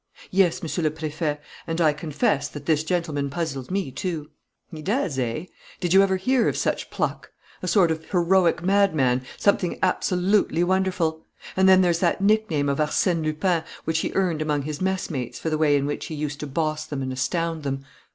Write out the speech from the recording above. "Yes, Monsieur le Préfet, and I confess that this gentleman puzzles me, too." "He does, eh? Did you ever hear of such pluck? A sort of heroic madman, something absolutely wonderful! And then there's that nickname of Arsène Lupin which he earned among his messmates for the way in which he used to boss them and astound them!